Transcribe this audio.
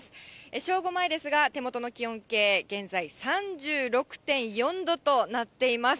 正午前ですが、手元の気温計、現在３６．４度となっています。